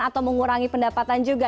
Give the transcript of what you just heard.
atau mengurangi pendapatan juga